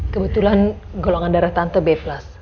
kebetulan golongan darah tante by plus